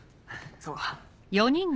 そうか。